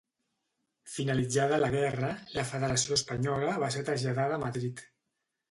Finalitzada la guerra, la federació espanyola va ser traslladada a Madrid.